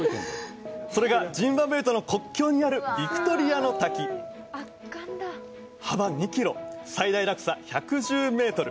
それがジンバブエとの国境にあるヴィクトリアの滝幅２ｋｍ最大落差１１０ｍ